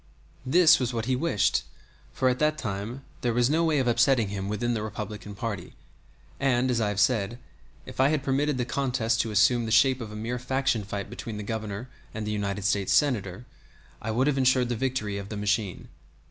This was what he wished, for at that time there was no way of upsetting him within the Republican party; and, as I have said, if I had permitted the contest to assume the shape of a mere faction fight between the Governor and the United States Senator, I would have insured the victory of the machine.